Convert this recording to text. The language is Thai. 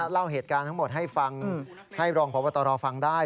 เล่าเหตุการณ์ทั้งหมดให้ฟังให้รองพบตรฟังได้